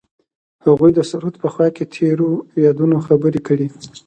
هغوی د سرود په خوا کې تیرو یادونو خبرې کړې.